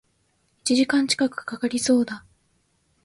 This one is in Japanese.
一時間近く掛かりそうだ